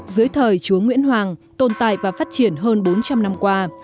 dưới thời chúa nguyễn hoàng tồn tại và phát triển hơn bốn trăm linh năm qua